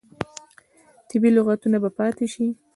طبیعي لغتونه به پاتې شي.